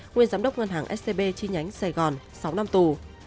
nguyên giám đốc ngân hàng scb chi nhánh sài gòn sáu năm tù